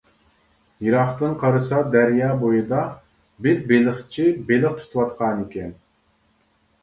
يىراقتىن قارىسا دەريا بويىدا بىر بېلىقچى بېلىق تۇتۇۋاتقانىكەن.